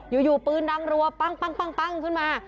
อยู่ปืนดังรัวปั้งขึ้นมา